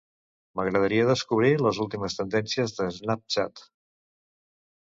M'agradaria descobrir les últimes tendències a Snapchat.